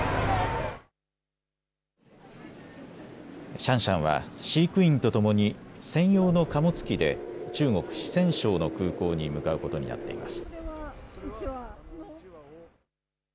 シャンシャンは飼育員とともに専用の貨物機で中国・四川省の空港に向かうことになっています。